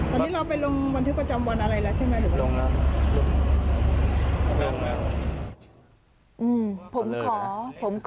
ตอนนี้เราไปลงวันที่ประจำวันอะไรแล้ว